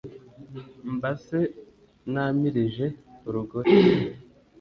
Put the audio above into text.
Mba se ntamirije urugore